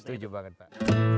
setuju banget pak